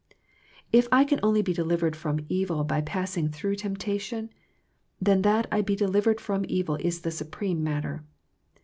If I can only be delivered from evil by passing through temptation, then that I be delivered from evil is the supreme matter.